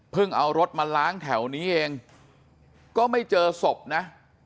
เอารถมาล้างแถวนี้เองก็ไม่เจอศพนะ